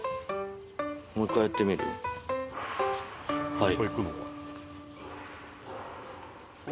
はい。